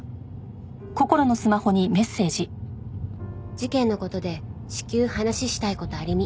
「事件のことで至急話したいことありみ！」